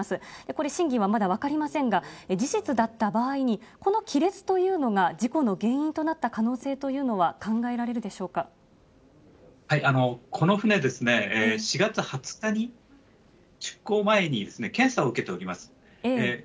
これ、真偽はまだ分かりませんが、事実だった場合に、この亀裂というのが事故の原因となった可能性というのは考えられこの船ですね、４月２０日に、出港前に検査を受けております。